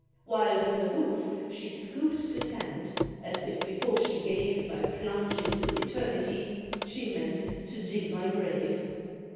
While with her hoof she scoop'd the sand as if before she gave My plunge into eternity she meant to dig my grave!